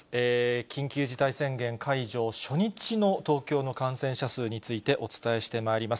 緊急事態宣言解除初日の東京の感染者数についてお伝えしてまいります。